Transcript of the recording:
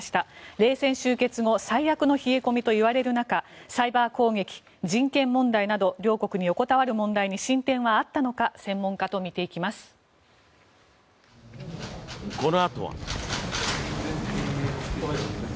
冷戦終結後最悪の冷え込みといわれる中サイバー攻撃、人権問題など両国に横たわる問題に進展があったのか専門家と見ていきます。